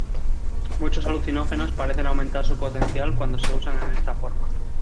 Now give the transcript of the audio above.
Muchos alucinógenos parecen aumentar su potencial cuando se usan en esta forma.